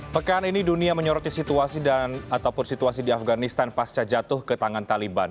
pekan ini dunia menyoroti situasi ataupun situasi di afganistan pasca jatuh ke tangan taliban